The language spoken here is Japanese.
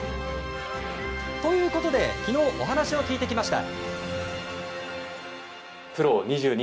ということで昨日お話を聞いてきました。